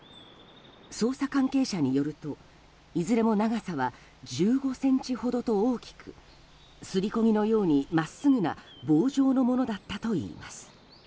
捜査関係者によると、いずれも長さは１５ｃｍほどと大きくすりこ木のように真っすぐな棒状だったといいます。